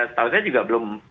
setahu saya juga belum